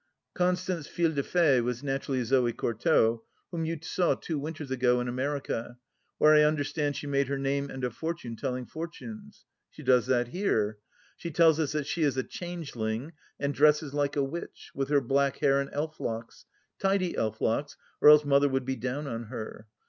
Constance Fille de Fay was naturally Zoe Courtauld, whom you saw two winters ago in America, where I understand she made her name and a fortune telling for tunes. She does that here. She tells us that she is a changeling — and dresses like a witch, with her black hair in elf locks — tidy elf locks, or else Mother would be down on her.